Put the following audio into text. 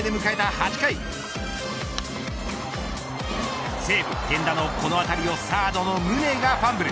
８回西武、源田のこの当たりをサードの宗がファンブル。